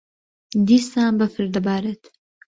دیسان بەفر دەبارێت.